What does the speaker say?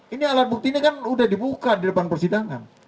ini alat buktinya kan udah dibuka di depan persidangan